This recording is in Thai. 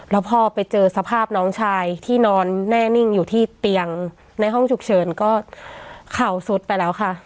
แล้วพอไปเจอสภาพน้องชายที่นอนแน่นิ่งอยู่ที่เตียงในห้องฉุกเฉินก็เข่าสุดไปแล้วค่ะ